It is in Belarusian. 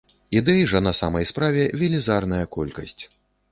Ідэй жа на самай справе велізарная колькасць.